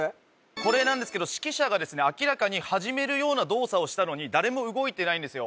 これなんですけど指揮者が明らかに始めるような動作をしたのに誰も動いてないんですよ